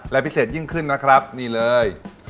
และพิเศษยิ่งขึ้นนะครับนี่เลย